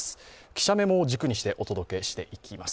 記者メモを軸にしてお届けしていきます。